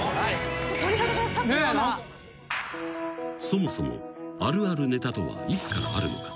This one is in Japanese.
［そもそもあるあるネタとはいつからあるのか？］